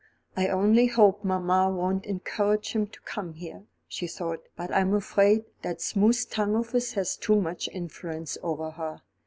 "I only hope mamma won't encourage him to come here," she thought; "but I'm afraid that smooth tongue of his has too much influence over her.